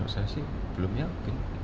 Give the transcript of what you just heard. mas gaisang sih belum yakin